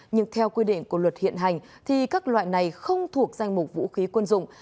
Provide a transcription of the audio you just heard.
nhưng theo quy định của luật hiện hành các loại này không thuộc danh mục vũ khí quân dụng